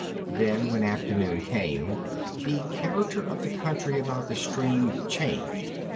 Then, when afternoon came, the character of the country about the stream changed.